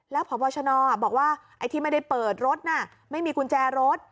แล้วพบชนบอกว่าไอ้ที่ไม่ได้เปิดรถน่ะไม่มีกุญแจรถ